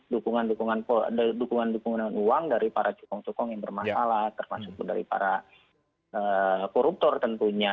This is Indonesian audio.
dukungan dukungan uang dari para cokong cokong yang bermasalah termasuk dari para koruptor tentunya